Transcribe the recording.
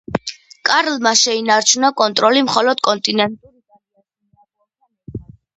კარლმა შეინარჩუნა კონტროლი მხოლოდ კონტინენტურ იტალიაში ნეაპოლთან ერთად.